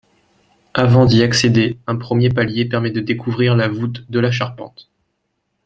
Avant d'y accéder, un premier palier permet de découvrir la voûte de la charpente.